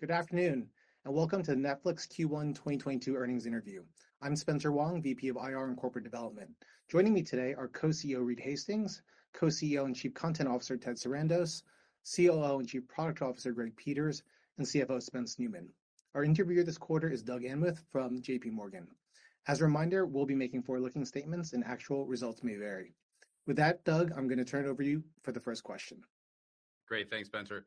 Good afternoon, and welcome to Netflix Q1 2022 earnings interview. I'm Spencer Wang, VP of IR and Corporate Development. Joining me today are Co-CEO Reed Hastings, Co-CEO and Chief Content Officer Ted Sarandos, COO and Chief Product Officer Greg Peters, and CFO Spence Neumann. Our interviewer this quarter is Doug Anmuth from JPMorgan. As a reminder, we'll be making forward-looking statements and actual results may vary. With that, Doug, I'm gonna turn it over to you for the first question. Great. Thanks, Spencer.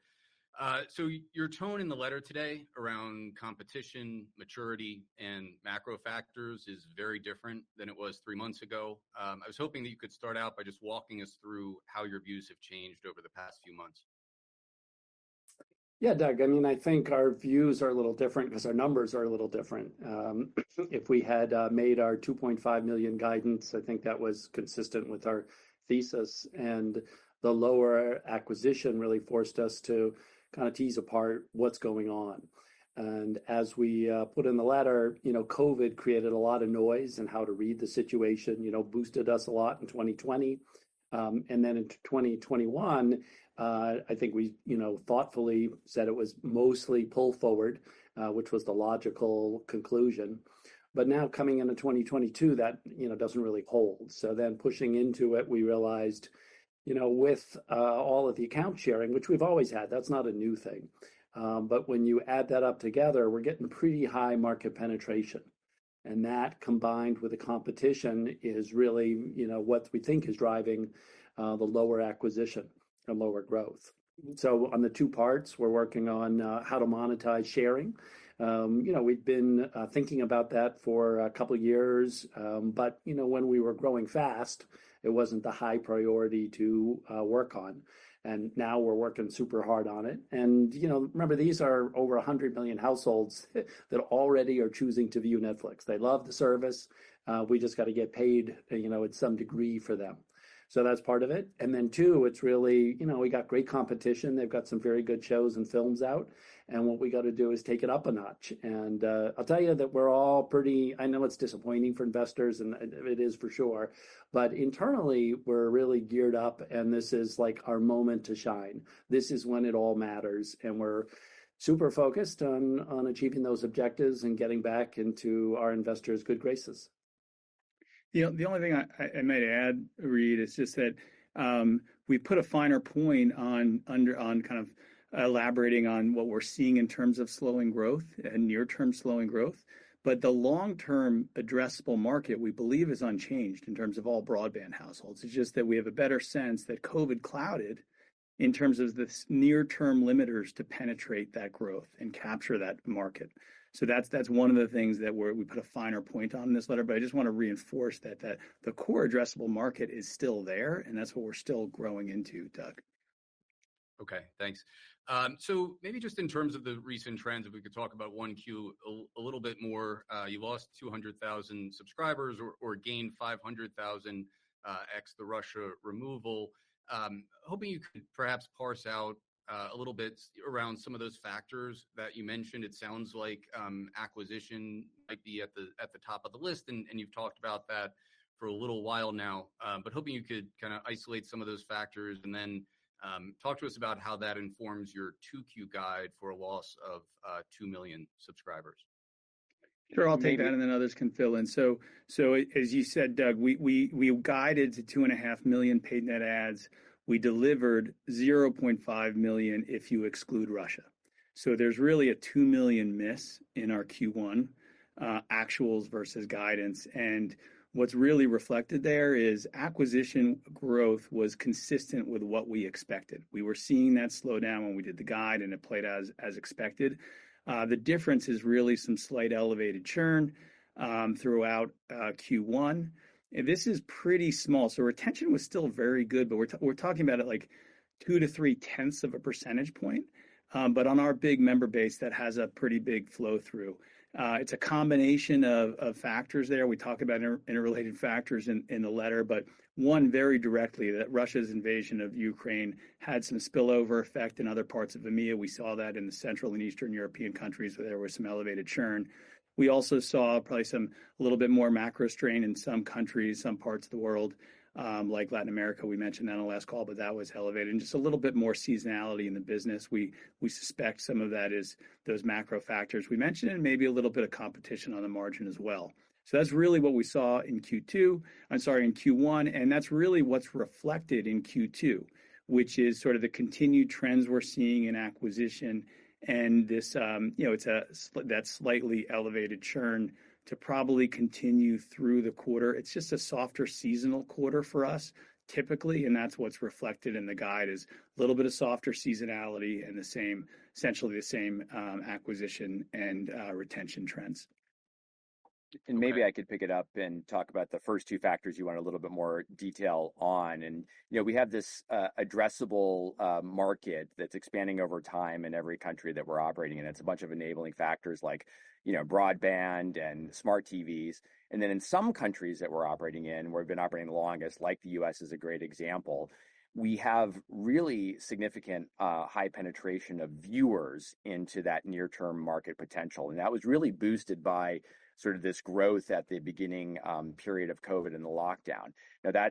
Your tone in the letter today around competition, maturity, and macro factors is very different than it was three months ago. I was hoping that you could start out by just walking us through how your views have changed over the past few months. Yeah, Doug, I mean, I think our views are a little different because our numbers are a little different. If we had made our 2.5 million guidance, I think that was consistent with our thesis, and the lower acquisition really forced us to kinda tease apart what's going on. As we put in the letter, you know, COVID created a lot of noise in how to read the situation, you know, boosted us a lot in 2020. In 2021, I think we, you know, thoughtfully said it was mostly pull forward, which was the logical conclusion. Now coming into 2022, that, you know, doesn't really hold. Pushing into it, we realized, you know, with all of the account sharing, which we've always had, that's not a new thing. When you add that up together, we're getting pretty high market penetration, and that combined with the competition is really, you know, what we think is driving the lower acquisition and lower growth. On the two parts, we're working on how to monetize sharing. You know, we've been thinking about that for a couple years. You know, when we were growing fast, it wasn't the high priority to work on, and now we're working super hard on it. You know, remember these are over 100 million households that already are choosing to view Netflix. They love the service. We just gotta get paid, you know, to some degree for them. That's part of it. Then two, it's really, you know, we got great competition. They've got some very good shows and films out, and what we gotta do is take it up a notch. I'll tell you that we're all pretty. I know it's disappointing for investors, and it is for sure. Internally, we're really geared up, and this is, like, our moment to shine. This is when it all matters, and we're super focused on achieving those objectives and getting back into our investors' good graces. The only thing I might add, Reed, is just that we put a finer point on kind of elaborating on what we're seeing in terms of slowing growth and near-term slowing growth. The long-term addressable market we believe is unchanged in terms of all broadband households. It's just that we have a better sense that COVID clouded in terms of the near-term limiters to penetrate that growth and capture that market. That's one of the things that we put a finer point on this letter. I just wanna reinforce that the core addressable market is still there, and that's what we're still growing into, Doug. Okay, thanks. Maybe just in terms of the recent trends, if we could talk about 1Q a little bit more. You lost 200,000 subscribers or gained 500,000 X the Russia removal. Hoping you could perhaps parse out a little bit around some of those factors that you mentioned. It sounds like acquisition might be at the top of the list and you've talked about that for a little while now. Hoping you could kinda isolate some of those factors and then talk to us about how that informs your 2Q guide for a loss of 2 million subscribers. Sure. I'll take that and then others can fill in. As you said, Doug, we guided to 2.5 million paid net adds. We delivered 0.5 million if you exclude Russia. There's really a 2 million miss in our Q1 actuals versus guidance. What's really reflected there is acquisition growth was consistent with what we expected. We were seeing that slow down when we did the guide, and it played out as expected. The difference is really some slight elevated churn throughout Q1. This is pretty small, so retention was still very good, but we're talking about, like, 0.2-0.3 percentage point. On our big member base, that has a pretty big flow-through. It's a combination of factors there. We talk about interrelated factors in the letter, but one very directly that Russia's invasion of Ukraine had some spillover effect in other parts of EMEA. We saw that in the Central and Eastern European countries where there was some elevated churn. We also saw probably some little bit more macro strain in some countries, some parts of the world, like Latin America, we mentioned that on the last call, but that was elevated. Just a little bit more seasonality in the business. We suspect some of that is those macro factors we mentioned and maybe a little bit of competition on the margin as well. That's really what we saw in Q2. I'm sorry, in Q1, and that's really what's reflected in Q2, which is sort of the continued trends we're seeing in acquisition and this, you know, it's that slightly elevated churn to probably continue through the quarter. It's just a softer seasonal quarter for us typically, and that's what's reflected in the guide, a little bit of softer seasonality and essentially the same acquisition and retention trends. Maybe I could pick it up and talk about the first two factors you want a little bit more detail on. You know, we have this addressable market that's expanding over time in every country that we're operating in. It's a bunch of enabling factors like, you know, broadband and smart TVs. Then in some countries that we're operating in, where we've been operating the longest, like the U.S. is a great example, we have really significant high penetration of viewers into that near-term market potential. That was really boosted by sort of this growth at the beginning period of COVID and the lockdown. Now,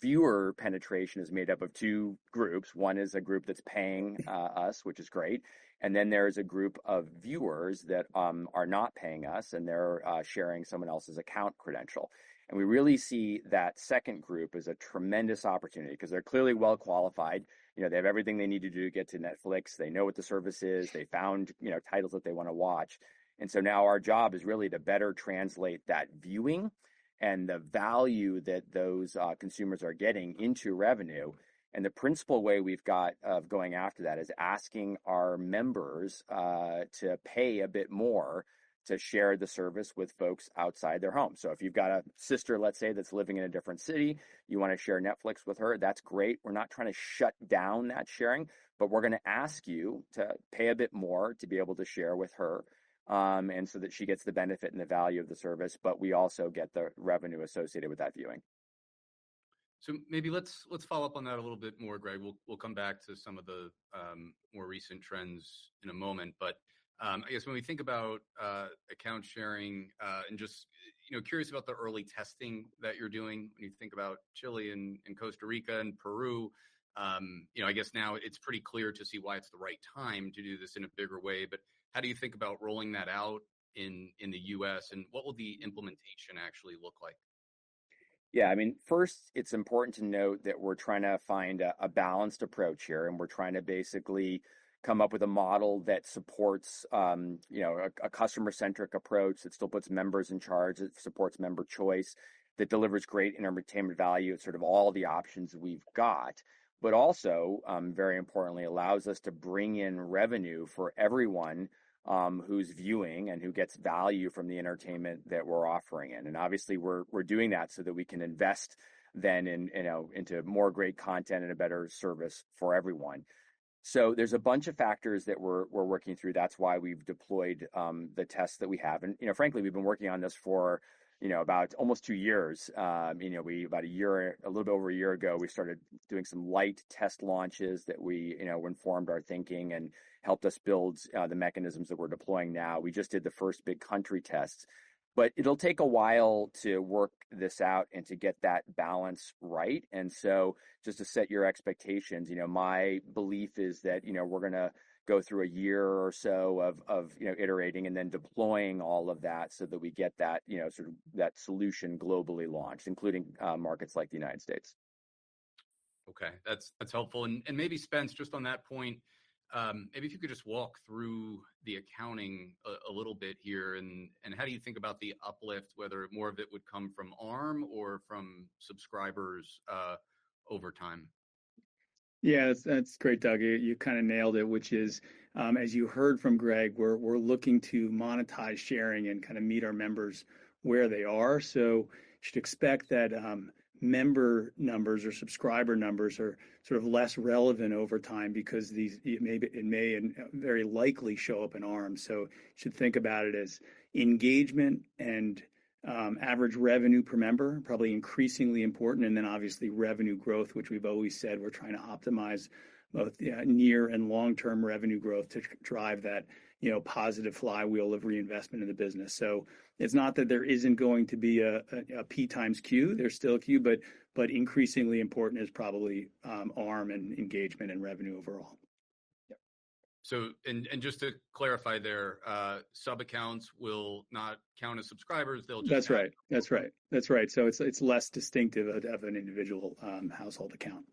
viewer penetration is made up of two groups. One is a group that's paying us, which is great, and then there's a group of viewers that are not paying us, and they're sharing someone else's account credential. We really see that second group as a tremendous opportunity because they're clearly well-qualified. You know, they have everything they need to do to get to Netflix. They know what the service is. They found, you know, titles that they want to watch. Now our job is really to better translate that viewing and the value that those consumers are getting into revenue. The principal way we've got of going after that is asking our members to pay a bit more to share the service with folks outside their home. If you've got a sister, let's say, that's living in a different city, you want to share Netflix with her, that's great. We're not trying to shut down that sharing, but we're gonna ask you to pay a bit more to be able to share with her, and so that she gets the benefit and the value of the service, but we also get the revenue associated with that viewing. Maybe let's follow up on that a little bit more, Greg. We'll come back to some of the more recent trends in a moment. I guess when we think about account sharing and just you know curious about the early testing that you're doing when you think about Chile and Costa Rica and Peru. You know, I guess now it's pretty clear to see why it's the right time to do this in a bigger way, but how do you think about rolling that out in the U.S., and what will the implementation actually look like? Yeah. I mean, first, it's important to note that we're trying to find a balanced approach here, and we're trying to basically come up with a model that supports, you know, a customer-centric approach that still puts members in charge, that supports member choice, that delivers great entertainment value and sort of all the options we've got. Also, very importantly, allows us to bring in revenue for everyone, who's viewing and who gets value from the entertainment that we're offering. Obviously we're doing that so that we can invest then in, you know, into more great content and a better service for everyone. There's a bunch of factors that we're working through. That's why we've deployed the tests that we have. You know, frankly, we've been working on this for, you know, about almost two years. You know, about a year, a little bit over a year ago, we started doing some light test launches that we, you know, informed our thinking and helped us build the mechanisms that we're deploying now. We just did the first big country tests. It'll take a while to work this out and to get that balance right. Just to set your expectations, you know, my belief is that, you know, we're gonna go through a year or so of you know, iterating and then deploying all of that so that we get that, you know, sort of that solution globally launched, including markets like the United States. Okay. That's helpful. Maybe Spence, just on that point, maybe if you could just walk through the accounting a little bit here. How do you think about the uplift, whether more of it would come from ARM or from subscribers, over time? Yeah. That's great, Doug. You kinda nailed it, which is, as you heard from Greg, we're looking to monetize sharing and kinda meet our members where they are. You should expect that member numbers or subscriber numbers are sort of less relevant over time because it may and very likely show up in ARM. You should think about it as engagement and average revenue per member, probably increasingly important, and then obviously revenue growth, which we've always said we're trying to optimize both, yeah, near and long-term revenue growth to drive that, you know, positive flywheel of reinvestment in the business. It's not that there isn't going to be a P x Q. There's still a Q, but increasingly important is probably ARM and engagement and revenue overall. Yep. just to clarify there, sub-accounts will not count as subscribers. They'll just- That's right. It's less distinctive of an individual household account.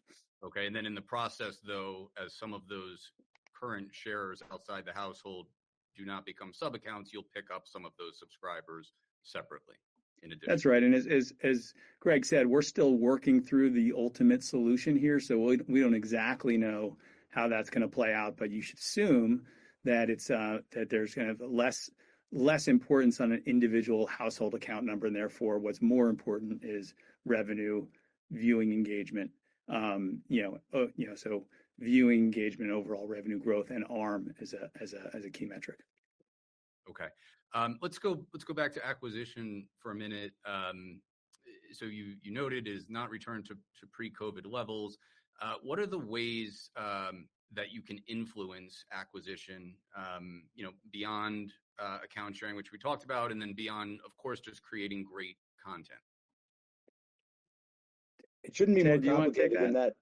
Okay. In the process though, as some of those current sharers outside the household do not become sub-accounts, you'll pick up some of those subscribers separately in addition. That's right. As Greg said, we're still working through the ultimate solution here, so we don't exactly know how that's gonna play out. You should assume that there's gonna have less importance on an individual household account number and therefore what's more important is revenue, viewing engagement, overall revenue growth, and ARM as a key metric. Okay. Let's go back to acquisition for a minute. You noted it has not returned to pre-COVID levels. What are the ways that you can influence acquisition, you know, beyond account sharing, which we talked about, and then beyond, of course, just creating great content? It shouldn't be more complicated than that.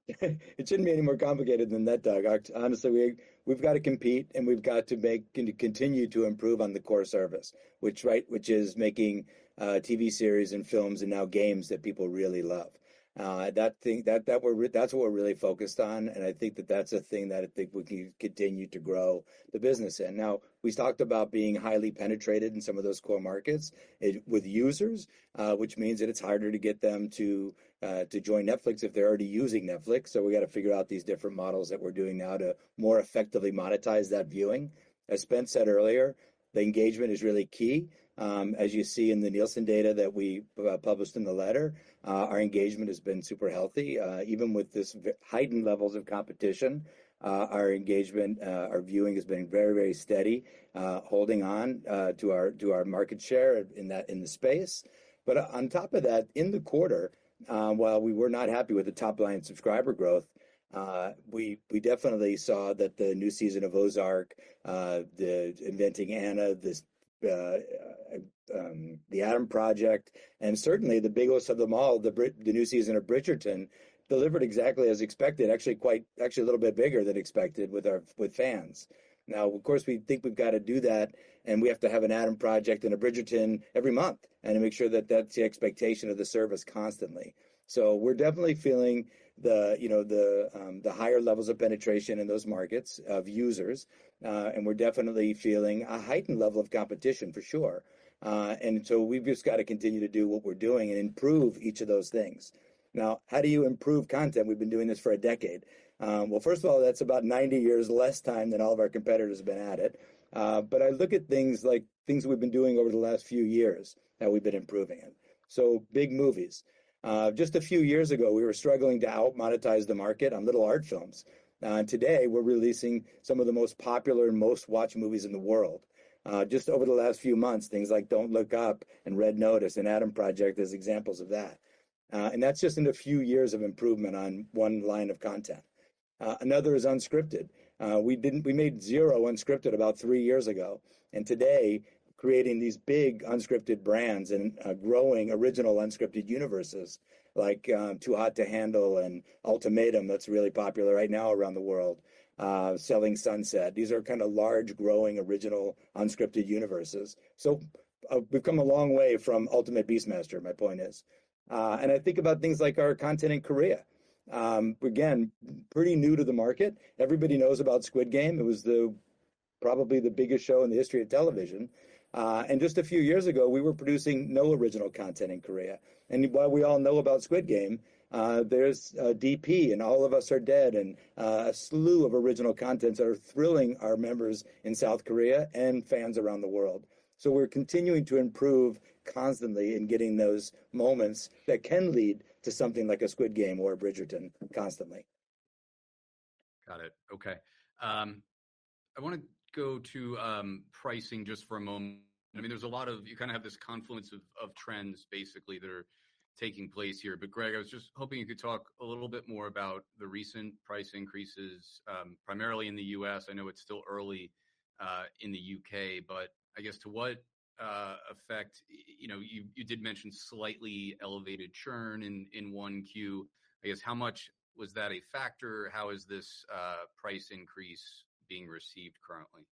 It shouldn't be any more complicated than that, Doug. Honestly, we've gotta compete, and we've got to continue to improve on the core service, which is making TV series and films and now games that people really love. That thing, that's what we're really focused on, and I think that that's a thing that I think we can continue to grow the business in. Now, we talked about being highly penetrated in some of those core markets with users, which means that it's harder to get them to join Netflix if they're already using Netflix, so we gotta figure out these different models that we're doing now to more effectively monetize that viewing. As Spence said earlier, the engagement is really key. As you see in the Nielsen data that we published in the letter, our engagement has been super healthy. Even with this heightened levels of competition, our engagement, our viewing has been very, very steady, holding on to our market share in that space. On top of that, in the quarter, while we were not happy with the top-line subscriber growth, we definitely saw that the new season of Ozark, the Inventing Anna, this, The Adam Project, and certainly the biggest of them all, the new season of Bridgerton, delivered exactly as expected. Actually a little bit bigger than expected with our fans. Now, of course, we think we've gotta do that, and we have to have The Adam Project and a Bridgerton every month, and to make sure that that's the expectation of the service constantly. We're definitely feeling you know, the higher levels of penetration in those markets of users, and we're definitely feeling a heightened level of competition for sure. We've just gotta continue to do what we're doing and improve each of those things. Now, how do you improve content? We've been doing this for a decade. Well, first of all, that's about 90 years less time than all of our competitors have been at it. I look at things like we've been doing over the last few years that we've been improving in. Big movies. Just a few years ago, we were struggling to out-monetize the market on little art films. Today we're releasing some of the most popular and most watched movies in the world. Just over the last few months, things like Don't Look Up and Red Notice and The Adam Project as examples of that. That's just in a few years of improvement on one line of content. Another is unscripted. We made zero unscripted about three years ago, and today creating these big unscripted brands and growing original unscripted universes like Too Hot to Handle and Ultimatum, that's really popular right now around the world, Selling Sunset. These are kinda large, growing, original unscripted universes. We've come a long way from Ultimate Beastmaster, my point is. I think about things like our content in Korea. Again, pretty new to the market. Everybody knows about Squid Game. It was probably the biggest show in the history of television. Just a few years ago, we were producing no original content in Korea. While we all know about Squid Game, there's D.P. and All of Us Are Dead and a slew of original content that are thrilling our members in South Korea and fans around the world. We're continuing to improve constantly and getting those moments that can lead to something like a Squid Game or a Bridgerton constantly. Got it. Okay. I wanna go to pricing just for a moment. I mean, there's a lot of. You kinda have this confluence of trends basically that are taking place here. Greg, I was just hoping you could talk a little bit more about the recent price increases, primarily in the U.S. I know it's still early in the U.K., but I guess to what effect. You know, you did mention slightly elevated churn in 1Q. I guess how much was that a factor? How is this price increase being received currently?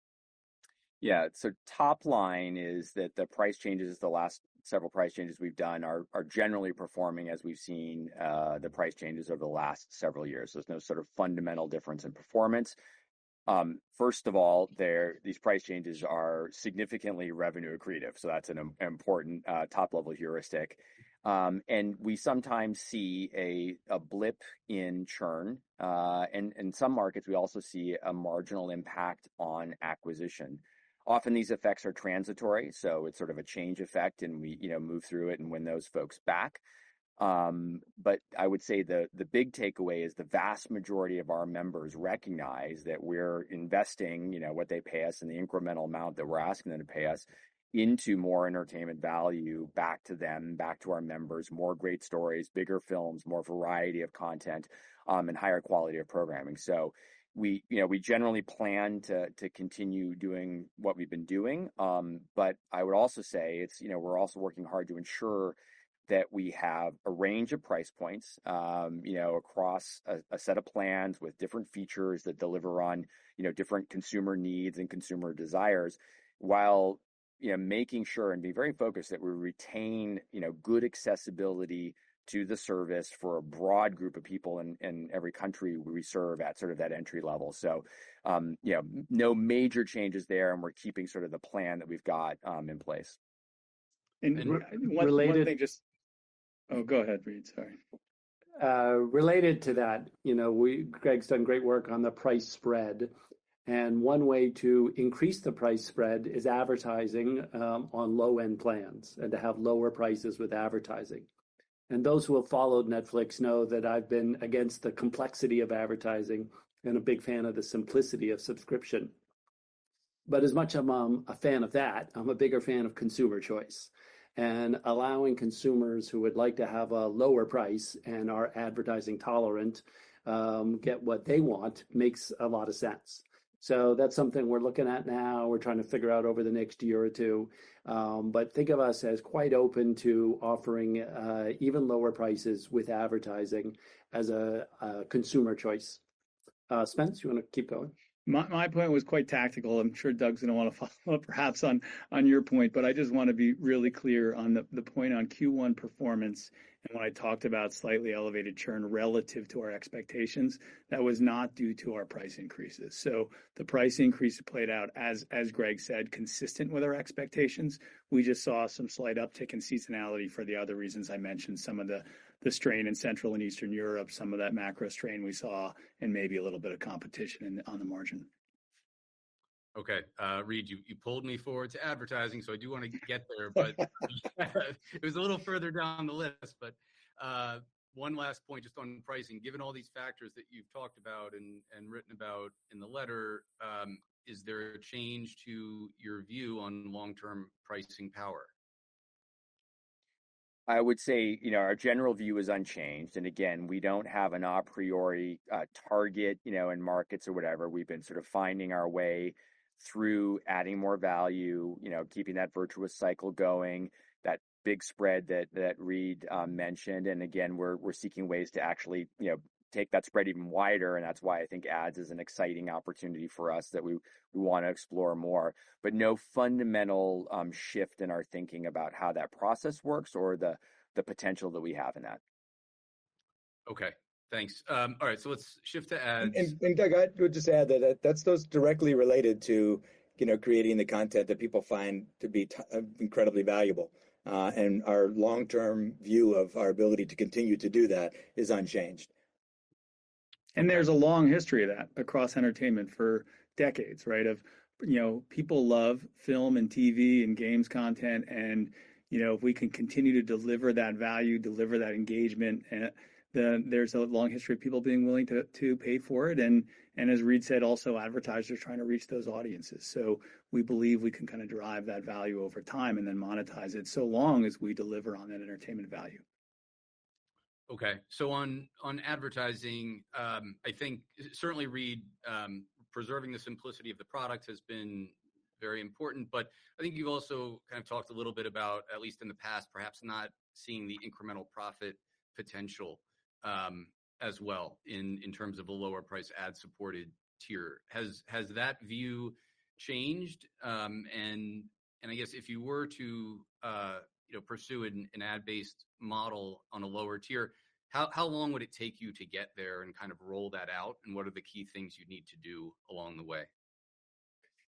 Top line is that the price changes, the last several price changes we've done are generally performing as we've seen the price changes over the last several years. There's no sort of fundamental difference in performance. First of all, these price changes are significantly revenue accretive, so that's an important top-level heuristic. We sometimes see a blip in churn. In some markets we also see a marginal impact on acquisition. Often these effects are transitory, so it's sort of a change effect and we, you know, move through it and win those folks back. I would say the big takeaway is the vast majority of our members recognize that we're investing, you know, what they pay us and the incremental amount that we're asking them to pay us into more entertainment value back to them, back to our members, more great stories, bigger films, more variety of content, and higher quality of programming. We, you know, we generally plan to continue doing what we've been doing. I would also say it's, you know, we're also working hard to ensure that we have a range of price points, you know, across a set of plans with different features that deliver on, you know, different consumer needs and consumer desires, while, you know, making sure and being very focused that we retain, you know, good accessibility to the service for a broad group of people in every country we serve at sort of that entry level. No major changes there, and we're keeping sort of the plan that we've got in place. And one- Related- Oh, go ahead, Reed. Sorry. Related to that, you know, Greg's done great work on the price spread, and one way to increase the price spread is advertising on low-end plans and to have lower prices with advertising. Those who have followed Netflix know that I've been against the complexity of advertising and a big fan of the simplicity of subscription. As much I'm a fan of that, I'm a bigger fan of consumer choice and allowing consumers who would like to have a lower price and are advertising tolerant get what they want makes a lot of sense. That's something we're looking at now. We're trying to figure out over the next year or two. Think of us as quite open to offering even lower prices with advertising as a consumer choice. Spence, you wanna keep going? My point was quite tactical. I'm sure Doug's gonna want to follow up perhaps on your point, but I just wanna be really clear on the point on Q1 performance and when I talked about slightly elevated churn relative to our expectations, that was not due to our price increases. The price increase played out as Greg said, consistent with our expectations. We just saw some slight uptick in seasonality for the other reasons I mentioned, some of the strain in Central and Eastern Europe, some of that macro strain we saw, and maybe a little bit of competition in on the margin. Okay. Reed, you pulled me forward to advertising, so I do wanna get there. It was a little further down the list. One last point just on pricing. Given all these factors that you've talked about and written about in the letter, is there a change to your view on long-term pricing power? I would say, you know, our general view is unchanged. Again, we don't have an a priori target, you know, in markets or whatever. We've been sort of finding our way through adding more value, you know, keeping that virtuous cycle going, that big spread that Reed mentioned. Again, we're seeking ways to actually, you know, take that spread even wider, and that's why I think ads is an exciting opportunity for us that we wanna explore more. No fundamental shift in our thinking about how that process works or the potential that we have in that. Okay. Thanks. All right. Let's shift to ads- Doug, I would just add that that's those directly related to, you know, creating the content that people find to be incredibly valuable. Our long-term view of our ability to continue to do that is unchanged. There's a long history of that across entertainment for decades, right? Of, you know, people love film and TV and games content and, you know, if we can continue to deliver that value, deliver that engagement, then there's a long history of people being willing to pay for it. As Reed said, also advertisers trying to reach those audiences. We believe we can kinda derive that value over time and then monetize it, so long as we deliver on that entertainment value. Okay. On advertising, I think certainly, Reed, preserving the simplicity of the product has been very important. I think you've also kind of talked a little bit about, at least in the past, perhaps not seeing the incremental profit potential as well in terms of a lower priced ad-supported tier. Has that view changed? I guess if you were to you know pursue an ad-based model on a lower tier, how long would it take you to get there and kind of roll that out, and what are the key things you'd need to do along the way?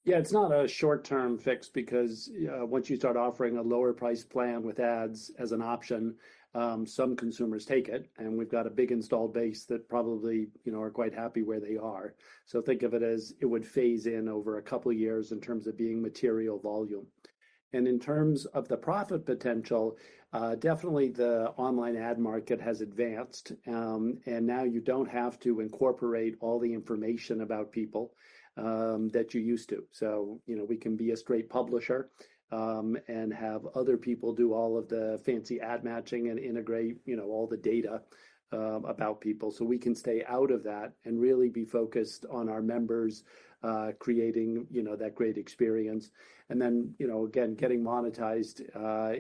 Yeah, it's not a short-term fix because once you start offering a lower price plan with ads as an option, some consumers take it, and we've got a big installed base that probably, you know, are quite happy where they are. Think of it as it would phase in over a couple years in terms of being material volume. In terms of the profit potential, definitely the online ad market has advanced. Now you don't have to incorporate all the information about people that you used to. You know, we can be a straight publisher and have other people do all of the fancy ad matching and integrate, you know, all the data about people. We can stay out of that and really be focused on our members, creating, you know, that great experience. You know, again, getting monetized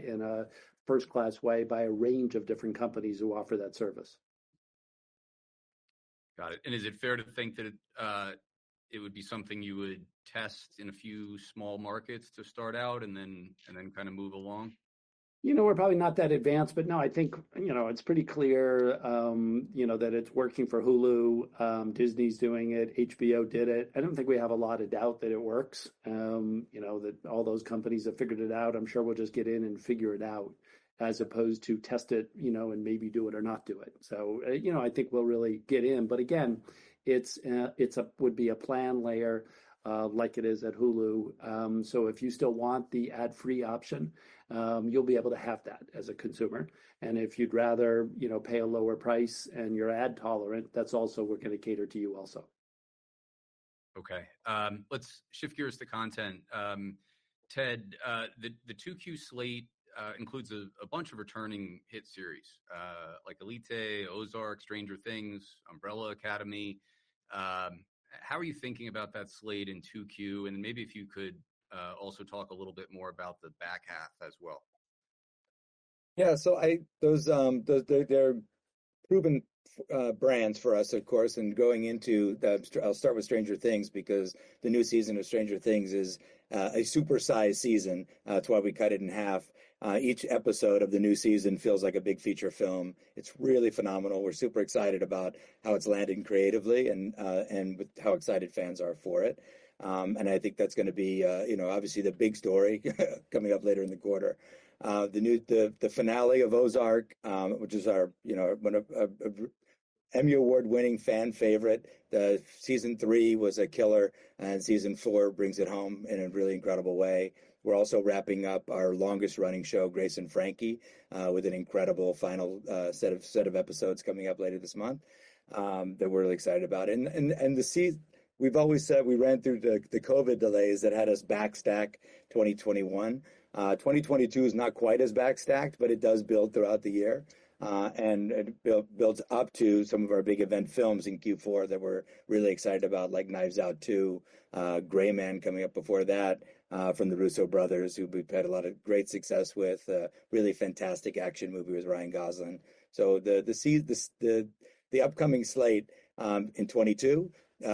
in a first-class way by a range of different companies who offer that service. Got it. Is it fair to think that it would be something you would test in a few small markets to start out and then kinda move along? You know, we're probably not that advanced, but no, I think, you know, it's pretty clear, you know, that it's working for Hulu. Disney's doing it. HBO did it. I don't think we have a lot of doubt that it works, you know, that all those companies have figured it out. I'm sure we'll just get in and figure it out, as opposed to test it, you know, and maybe do it or not do it. You know, I think we'll really get in. But again, it's a, would be a plan layer, like it is at Hulu. So if you still want the ad-free option, you'll be able to have that as a consumer. And if you'd rather, you know, pay a lower price and you're ad tolerant, that's also. We're gonna cater to you also. Okay. Let's shift gears to content. Ted, the 2Q slate includes a bunch of returning hit series, like Elite, Ozark, Stranger Things, Umbrella Academy. How are you thinking about that slate in 2Q? Maybe if you could also talk a little bit more about the back half as well. Yeah. They're proven brands for us, of course, and I'll start with Stranger Things because the new season of Stranger Things is a super-sized season, that's why we cut it in half. Each episode of the new season feels like a big feature film. It's really phenomenal. We're super excited about how it's landing creatively and with how excited fans are for it. I think that's gonna be, you know, obviously the big story coming up later in the quarter. The finale of Ozark, which is, you know, one of our Emmy Award-winning fan favorite. Season 3 was a killer, and Season 4 brings it home in a really incredible way. We're also wrapping up our longest-running show, Grace and Frankie, with an incredible final set of episodes coming up later this month that we're really excited about. We've always said we ran through the COVID delays that had us backstacked 2021. 2022 is not quite as backstacked, but it does build throughout the year. It builds up to some of our big event films in Q4 that we're really excited about, like Knives Out 2, The Gray Man coming up before that, from the Russo brothers, who we've had a lot of great success with. A really fantastic action movie with Ryan Gosling. The upcoming slate in 2022,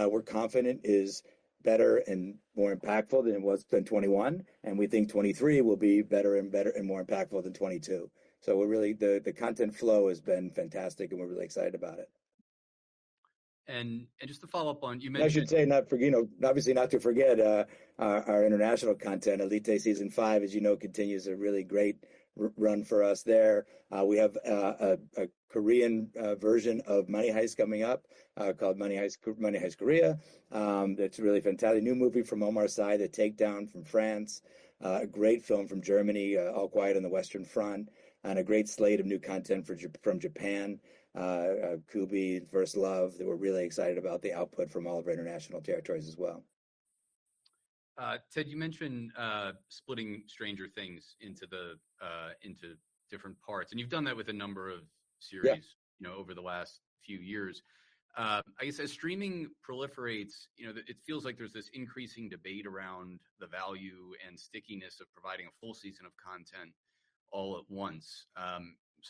we're confident is better and more impactful than it was in 2021, and we think 2023 will be better and more impactful than 2022. The content flow has been fantastic, and we're really excited about it. Just to follow up on. You mentioned. I should say, you know, obviously not to forget our international content. Elite season 5, as you know, continues a really great run for us there. We have a Korean version of Money Heist coming up, called Money Heist: Korea. That's really fantastic. A new movie from Omar Sy, The Takedown from France. A great film from Germany, All Quiet on the Western Front, and a great slate of new content from Japan. Kubi, First Love, that we're really excited about the output from all of our international territories as well. Ted, you mentioned splitting Stranger Things into different parts, and you've done that with a number of series- Yeah ...you know, over the last few years. I guess as streaming proliferates, you know, it feels like there's this increasing debate around the value and stickiness of providing a full season of content all at once.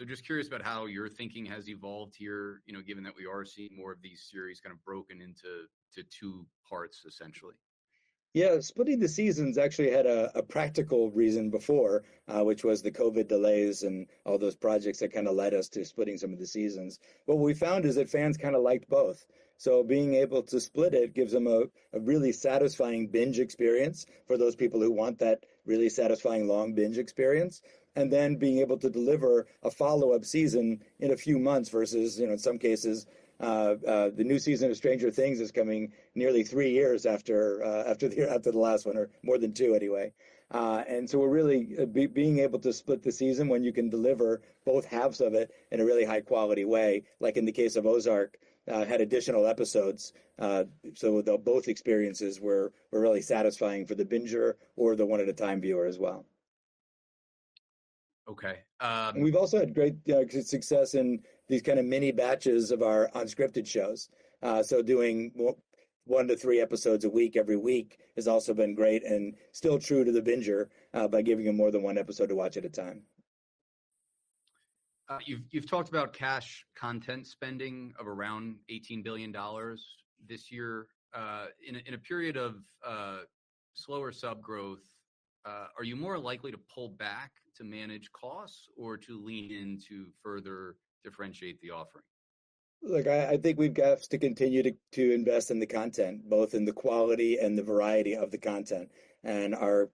Just curious about how your thinking has evolved here, you know, given that we are seeing more of these series kind of broken into two parts essentially. Yeah. Splitting the seasons actually had a practical reason before, which was the COVID delays and all those projects that kinda led us to splitting some of the seasons. What we found is that fans kinda liked both. Being able to split it gives them a really satisfying binge experience for those people who want that really satisfying long binge experience. Then being able to deliver a follow-up season in a few months versus, you know, in some cases, the new season of Stranger Things is coming nearly three years after the last one, or more than two anyway. We're really being able to split the season when you can deliver both halves of it in a really high-quality way, like in the case of Ozark had additional episodes. The both experiences were really satisfying for the binger or the one-at-a-time viewer as well. Okay. We've also had great success in these kinda mini batches of our unscripted shows. Doing one to three episodes a week every week has also been great and still true to the binger by giving them more than one episode to watch at a time. You've talked about cash content spending of around $18 billion this year. In a period of slower sub growth, are you more likely to pull back to manage costs or to lean in to further differentiate the offering? Look, I think we've got to continue to invest in the content, both in the quality and the variety of the content. We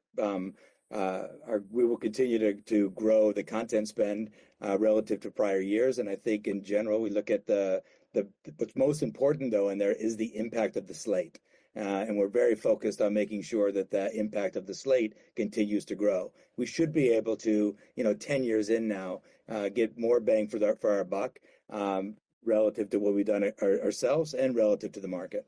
will continue to grow the content spend relative to prior years. I think in general, we look at what's most important though in there is the impact of the slate. We're very focused on making sure that impact of the slate continues to grow. We should be able to 10 years in now get more bang for our buck relative to what we've done ourselves and relative to the market.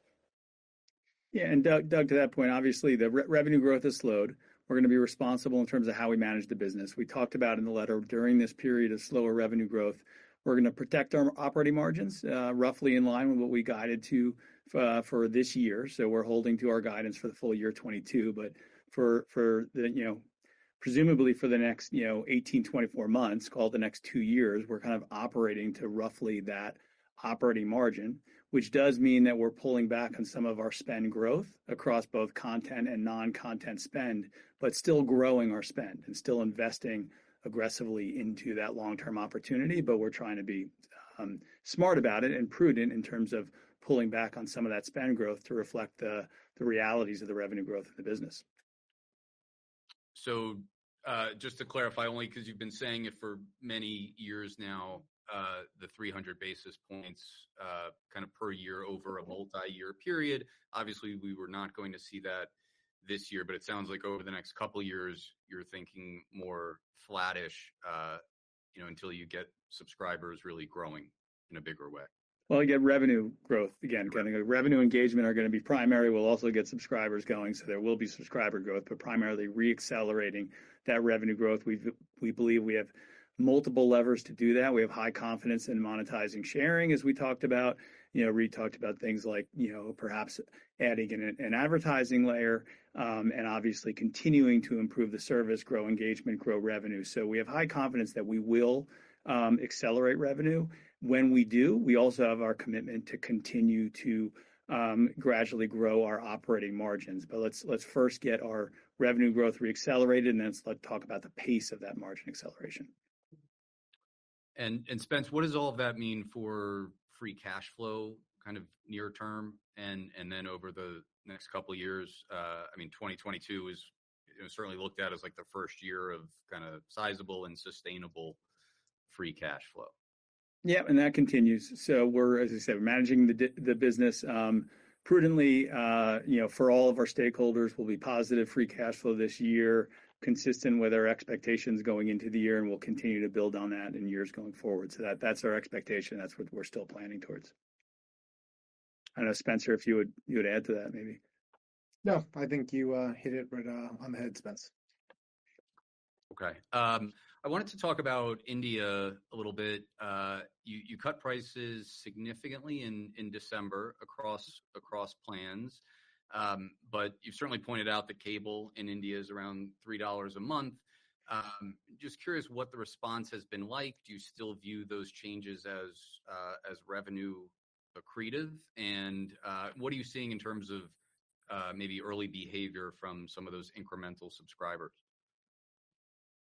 Yeah. Doug, to that point, obviously the revenue growth has slowed. We're gonna be responsible in terms of how we manage the business. We talked about in the letter, during this period of slower revenue growth, we're gonna protect our operating margins, roughly in line with what we guided to for this year. We're holding to our guidance for the full year 2022. For the, you know, presumably for the next, you know, 18-24 months, call it the next two years, we're kind of operating to roughly that operating margin. Which does mean that we're pulling back on some of our spend growth across both content and non-content spend, but still growing our spend and still investing aggressively into that long-term opportunity. We're trying to be smart about it and prudent in terms of pulling back on some of that spend growth to reflect the realities of the revenue growth of the business. Just to clarify, only because you've been saying it for many years now, the 300 basis points, kind of per year over a multiyear period. Obviously, we were not going to see that this year, but it sounds like over the next couple of years, you're thinking more flattish, you know, until you get subscribers really growing in a bigger way. Well, again, revenue growth, again. Right. Getting the revenue and engagement are gonna be primary. We'll also get subscribers going, so there will be subscriber growth. Primarily re-accelerating that revenue growth. We believe we have multiple levers to do that. We have high confidence in monetizing sharing, as we talked about. You know, Reed talked about things like, you know, perhaps adding in an advertising layer. Obviously continuing to improve the service, grow engagement, grow revenue. We have high confidence that we will accelerate revenue. When we do, we also have our commitment to continue to gradually grow our operating margins. Let's first get our revenue growth re-accelerated, and then let's talk about the pace of that margin acceleration. Spence, what does all of that mean for free cash flow kind of near term and then over the next couple of years? I mean, 2022 is, you know, certainly looked at as like the first year of kinda sizable and sustainable free cash flow. Yeah, that continues. We're, as I said, managing the business prudently. You know, for all of our stakeholders, we'll be positive free cash flow this year, consistent with our expectations going into the year, and we'll continue to build on that in years going forward. That's our expectation. That's what we're still planning towards. I don't know, Spencer, if you would add to that maybe. No. I think you hit it right on the head, Spence. Okay. I wanted to talk about India a little bit. You cut prices significantly in December across plans. You've certainly pointed out that cable in India is around $3 a month. Just curious what the response has been like. Do you still view those changes as revenue accretive? What are you seeing in terms of maybe early behavior from some of those incremental subscribers?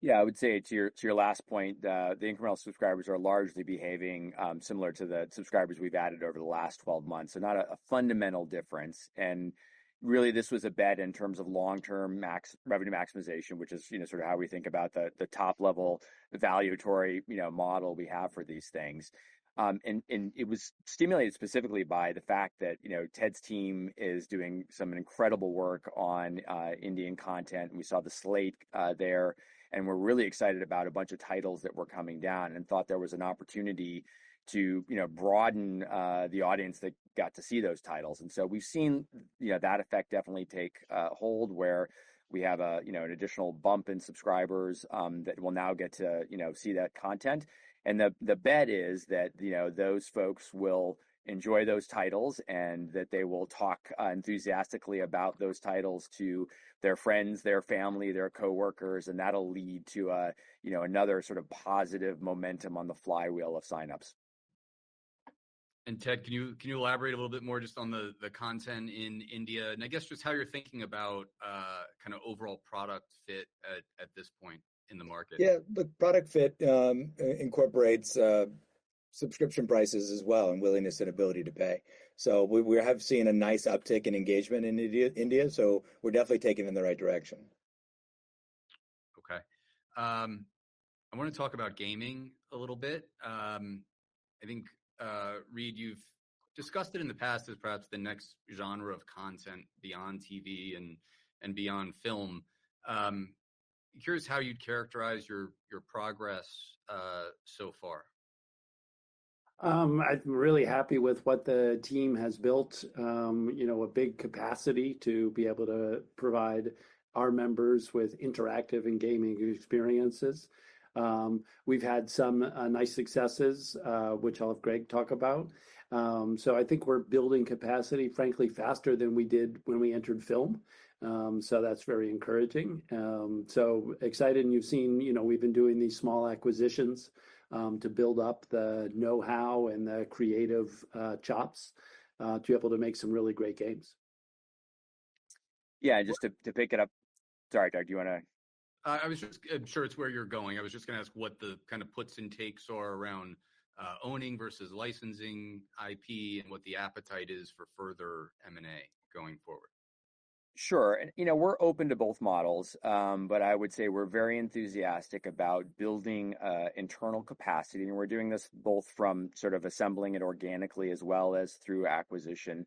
Yeah. I would say to your last point, the incremental subscribers are largely behaving similar to the subscribers we've added over the last 12 months. Not a fundamental difference. Really, this was a bet in terms of long-term revenue maximization, which is, you know, sort of how we think about the top level evaluatory, you know, model we have for these things. It was stimulated specifically by the fact that, you know, Ted's team is doing some incredible work on Indian content, and we saw the slate there. We're really excited about a bunch of titles that were coming down and thought there was an opportunity to, you know, broaden the audience that got to see those titles. We've seen, you know, that effect definitely take hold, where we have a, you know, an additional bump in subscribers that will now get to, you know, see that content. The bet is that, you know, those folks will enjoy those titles and that they will talk enthusiastically about those titles to their friends, their family, their coworkers, and that'll lead to a, you know, another sort of positive momentum on the flywheel of signups. Ted, can you elaborate a little bit more just on the content in India? I guess just how you're thinking about kinda overall product fit at this point in the market. Yeah. The product fit incorporates subscription prices as well, and willingness and ability to pay. We have seen a nice uptick in engagement in India, so we're definitely taking in the right direction. Okay. I wanna talk about gaming a little bit. I think, Reed, you've discussed it in the past as perhaps the next genre of content beyond TV and beyond film. Curious how you'd characterize your progress so far? I'm really happy with what the team has built. You know, a big capacity to be able to provide our members with interactive and gaming experiences. We've had some nice successes, which I'll have Greg talk about. I think we're building capacity, frankly, faster than we did when we entered film. I'm excited, and you've seen, you know, we've been doing these small acquisitions to build up the know-how and the creative chops to be able to make some really great games. Yeah. Just to pick it up. Sorry, Doug, do you wanna- I'm sure it's where you're going. I was just gonna ask what the kinda puts and takes are around owning versus licensing IP and what the appetite is for further M&A going forward. Sure. You know, we're open to both models. I would say we're very enthusiastic about building internal capacity, and we're doing this both from sort of assembling it organically as well as through acquisition,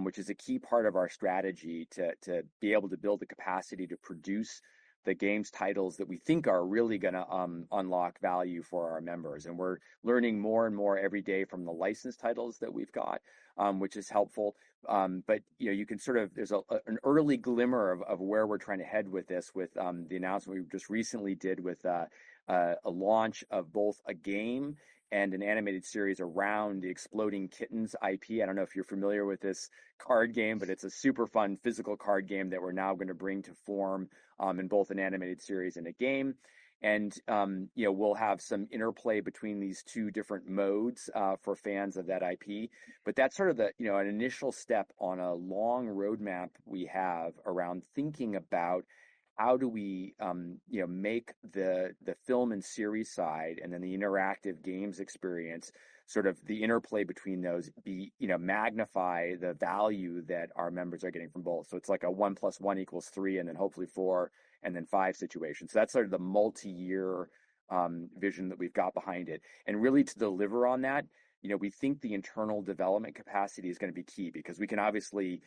which is a key part of our strategy to be able to build the capacity to produce the games titles that we think are really gonna unlock value for our members. We're learning more and more every day from the licensed titles that we've got, which is helpful. You know, you can sort of. There's an early glimmer of where we're trying to head with this with the announcement we just recently did with a launch of both a game and an animated series around the Exploding Kittens IP. I don't know if you're familiar with this card game, but it's a super fun physical card game that we're now gonna bring to form, in both an animated series and a game. You know, we'll have some interplay between these two different modes, for fans of that IP. That's sort of the, you know, an initial step on a long roadmap we have around thinking about how do we, you know, make the film and series side and then the interactive games experience, sort of the interplay between those you know magnify the value that our members are getting from both. It's like a 1 + 1 = 3, and then hopefully 4, and then 5 situations. That's sort of the multiyear vision that we've got behind it. Really to deliver on that, you know, we think the internal development capacity is gonna be key because we can obviously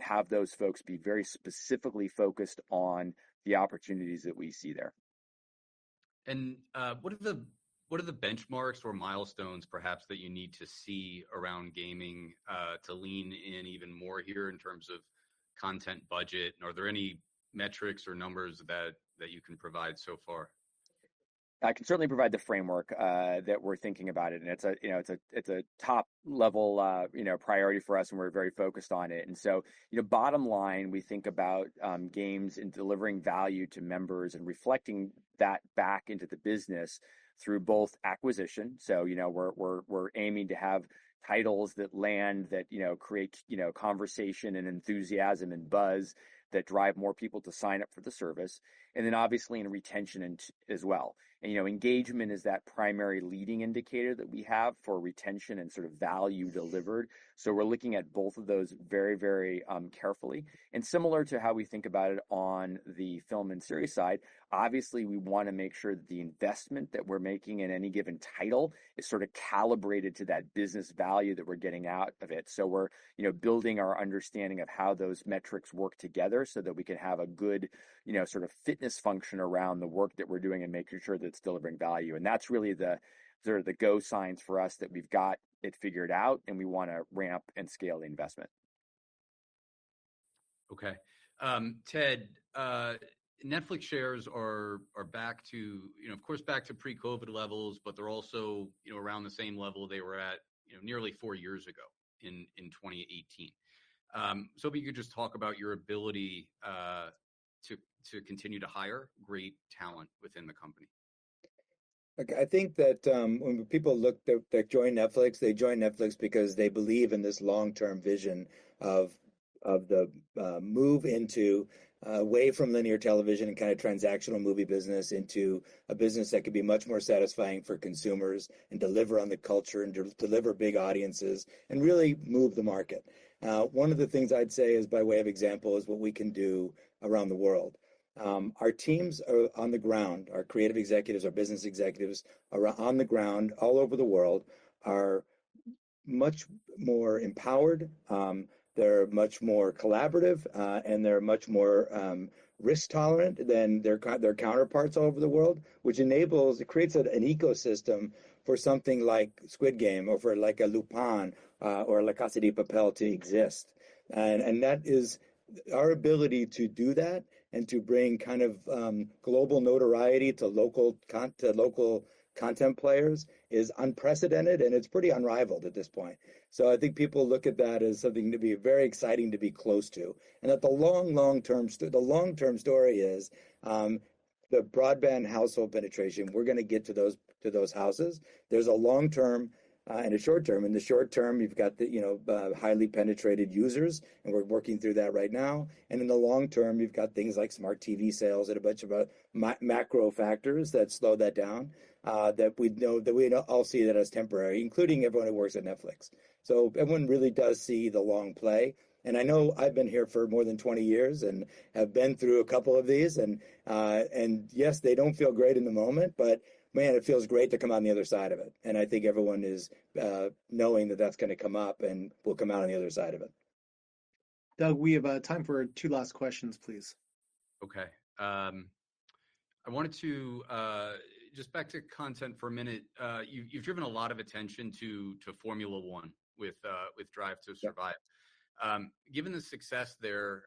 have those folks be very specifically focused on the opportunities that we see there. What are the benchmarks or milestones perhaps that you need to see around gaming to lean in even more here in terms of content budget? Are there any metrics or numbers that you can provide so far? I can certainly provide the framework that we're thinking about it, and it's a, you know, top-level priority for us, and we're very focused on it. Bottom line, we think about games and delivering value to members and reflecting that back into the business through both acquisition, so, you know, we're aiming to have titles that land that, you know, create, you know, conversation and enthusiasm and buzz that drive more people to sign up for the service. Obviously in retention as well. You know, engagement is that primary leading indicator that we have for retention and sort of value delivered, so we're looking at both of those very carefully. Similar to how we think about it on the film and series side, obviously, we wanna make sure that the investment that we're making in any given title is sorta calibrated to that business value that we're getting out of it. We're, you know, building our understanding of how those metrics work together so that we can have a good, you know, sort of fitness function around the work that we're doing and making sure that it's delivering value. That's really the, sort of the go signs for us that we've got it figured out, and we wanna ramp and scale the investment. Okay. Ted, Netflix shares are back to, you know, of course back to pre-COVID levels, but they're also, you know, around the same level they were at, you know, nearly four years ago in 2018. If you could just talk about your ability to continue to hire great talent within the company. Look, I think that when people that join Netflix, they join Netflix because they believe in this long-term vision of the move away from linear television and kind of transactional movie business into a business that could be much more satisfying for consumers and deliver on the culture and deliver big audiences and really move the market. One of the things I'd say is by way of example is what we can do around the world. Our teams are on the ground, our creative executives, our business executives are on the ground all over the world, are much more empowered. They're much more collaborative, and they're much more risk-tolerant than their counterparts all over the world, which enables... It creates an ecosystem for something like Squid Game or for like a Lupin, or La Casa de Papel to exist. That is our ability to do that and to bring kind of global notoriety to local content players is unprecedented, and it's pretty unrivaled at this point. I think people look at that as something to be very exciting to be close to, and that the long-term story is the broadband household penetration. We're gonna get to those houses. There's a long term and a short term. In the short term, you've got the, you know, highly penetrated users, and we're working through that right now. In the long term, you've got things like smart TV sales and a bunch of macro factors that slow that down, that we all see that as temporary, including everyone who works at Netflix. Everyone really does see the long play. I know I've been here for more than 20 years and have been through a couple of these and, yes, they don't feel great in the moment, but man, it feels great to come out on the other side of it. I think everyone is knowing that that's gonna come up and we'll come out on the other side of it. Doug, we have time for two last questions, please. Okay. I wanted to just back to content for a minute. You've driven a lot of attention to Formula 1, with Drive to Survive. Yeah. Given the success there,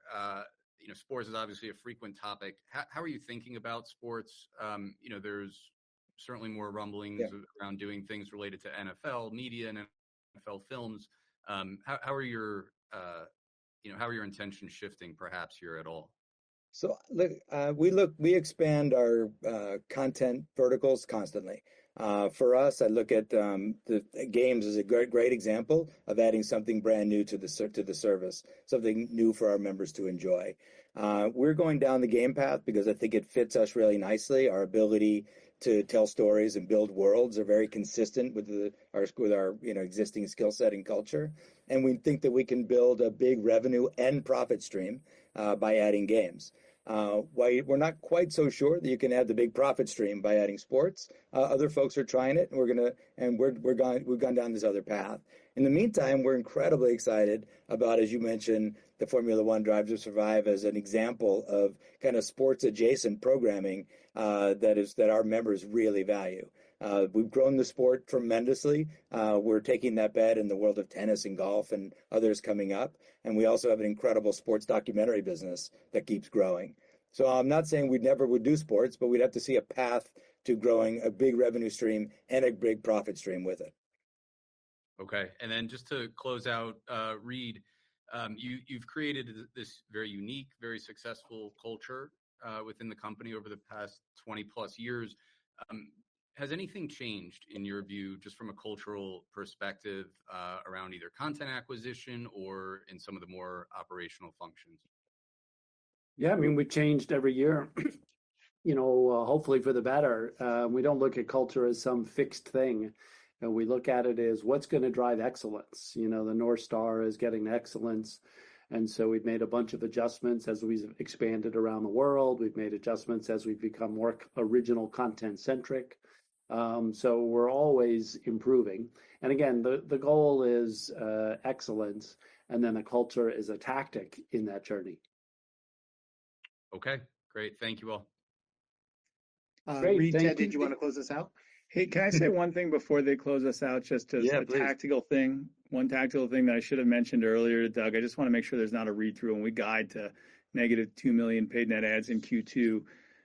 you know, sports is obviously a frequent topic. How are you thinking about sports? You know, there's certainly more rumblings. Yeah... around doing things related to NFL Media and NFL Films. How are your, you know, intentions shifting perhaps here at all? We expand our content verticals constantly. For us, I look at the games as a great example of adding something brand new to the service, something new for our members to enjoy. We're going down the game path because I think it fits us really nicely. Our ability to tell stories and build worlds are very consistent with our you know existing skill set and culture. We think that we can build a big revenue and profit stream by adding games. Why we're not quite so sure that you can add the big profit stream by adding sports, other folks are trying it and we've gone down this other path. In the meantime, we're incredibly excited about, as you mentioned, the Formula 1: Drive to Survive as an example of kind of sports-adjacent programming, that is, that our members really value. We've grown the sport tremendously. We're taking that bet in the world of tennis and golf and others coming up. We also have an incredible sports documentary business that keeps growing. I'm not saying we never would do sports, but we'd have to see a path to growing a big revenue stream and a big profit stream with it. Okay. Then just to close out, Reed, you've created this very unique, very successful culture within the company over the past 20+ years. Has anything changed in your view, just from a cultural perspective, around either content acquisition or in some of the more operational functions? Yeah, I mean, we've changed every year, you know, hopefully for the better. We don't look at culture as some fixed thing. You know, we look at it as what's gonna drive excellence. You know, the North Star is getting excellence, and so we've made a bunch of adjustments as we've expanded around the world. We've made adjustments as we've become more original content-centric. We're always improving. Again, the goal is excellence, and then the culture is a tactic in that journey. Okay, great. Thank you all. Reed Great. Thank you. Ted, did you wanna close us out? Hey, can I say one thing before they close us out just as- Yeah, please. A tactical thing, one tactical thing that I should have mentioned earlier, Doug. I just wanna make sure there's not a read-through when we guide to negative 2 million paid net adds in Q2.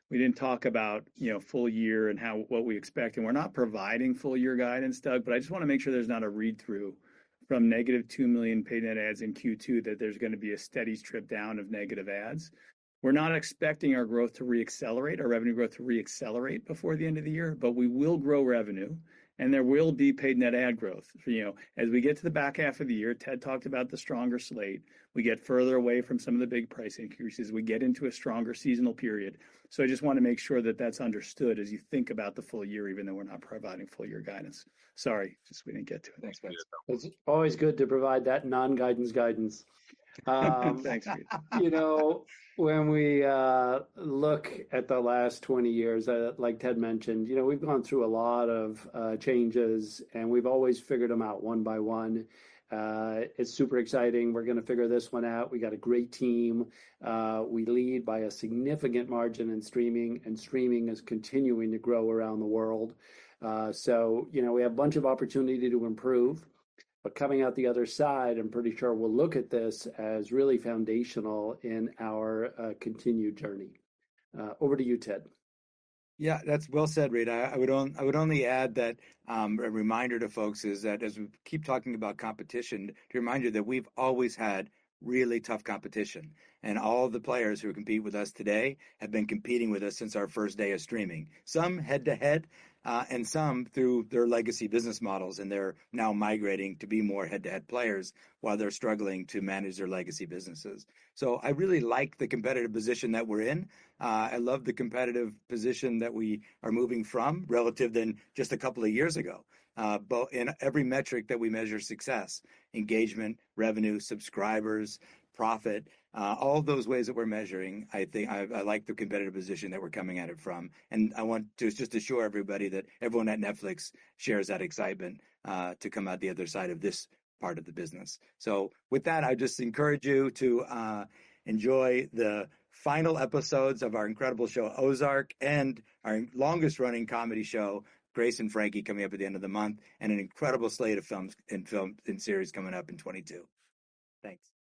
We didn't talk about, you know, full year and how, what we expect, and we're not providing full year guidance, Doug, but I just wanna make sure there's not a read-through from negative 2 million paid net adds in Q2 that there's gonna be a steady trip down of negative adds. We're not expecting our growth to re-accelerate, our revenue growth to re-accelerate before the end of the year, but we will grow revenue, and there will be paid net add growth. You know, as we get to the back half of the year, Ted talked about the stronger slate. We get further away from some of the big price increases. We get into a stronger seasonal period. I just wanna make sure that that's understood as you think about the full year, even though we're not providing full year guidance. Sorry, just we didn't get to it. Thanks, guys. It's always good to provide that non-guidance guidance. Thanks, Reed. You know, when we look at the last 20 years, like Ted mentioned, you know, we've gone through a lot of changes, and we've always figured them out one by one. It's super exciting. We're gonna figure this one out. We got a great team. We lead by a significant margin in streaming, and streaming is continuing to grow around the world. So you know, we have a bunch of opportunity to improve, but coming out the other side, I'm pretty sure we'll look at this as really foundational in our continued journey. Over to you, Ted. Yeah, that's well said, Reed. I would only add that a reminder to folks is that as we keep talking about competition, to remind you that we've always had really tough competition, and all of the players who compete with us today have been competing with us since our first day of streaming, some head-to-head, and some through their legacy business models, and they're now migrating to be more head-to-head players while they're struggling to manage their legacy businesses. So I really like the competitive position that we're in. I love the competitive position that we are moving from relative to just a couple of years ago. In every metric that we measure success, engagement, revenue, subscribers, profit, all of those ways that we're measuring, I think I like the competitive position that we're coming at it from. I want to just assure everybody that everyone at Netflix shares that excitement to come out the other side of this part of the business. With that, I just encourage you to enjoy the final episodes of our incredible show Ozark and our longest-running comedy show, Grace and Frankie, coming up at the end of the month, and an incredible slate of films and series coming up in 2022. Thanks.